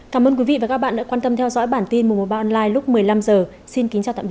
kết thúc nha